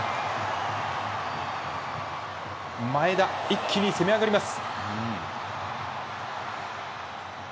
前田、一気に攻め上がります。